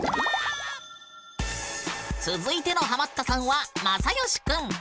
続いてのハマったさんはまさよしくん！